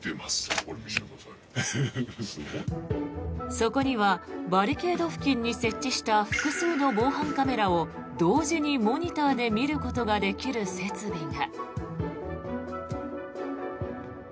そこにはバリケード付近に設置した複数の防犯カメラを同時にモニターで見ることができる設備が。